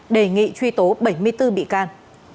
đề nghị truy tố bảy mươi bốn bị can